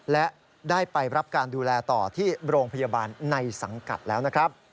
และได้ไปรับการดูแลต่อที่โรงพยาบาลในสังกัดแล้วนะครับ